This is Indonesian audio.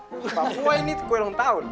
pak gue ini kue ulang tahun